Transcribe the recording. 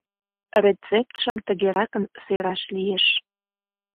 Рецептшым тыгеракын сераш лиеш: